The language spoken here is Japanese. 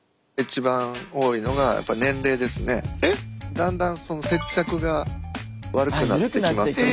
だんだんその接着が悪くなってきますので。